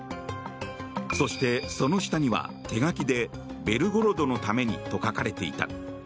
そして、その下には手書きで「ベルゴロドのために」と書かれていた。